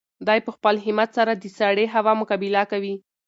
دی په خپل همت سره د سړې هوا مقابله کوي.